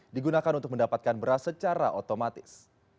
digunakan untuk mendapatkan beras secara otomatis